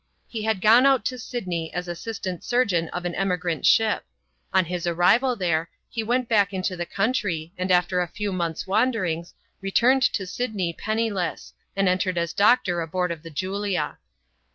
He had gone out to Sydney as assistant surgeon of an emigrant ship. On his arrival there, he went back into the country, and after a few months' wanderings, re turned to Sydney penniless, and entered as doctor aboard of the Julia.